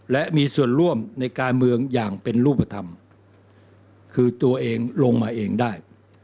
และมีส่วนร่วมในการเมืองอย่างเป็นรูปธรรมคือตัวเองลงมาเองได้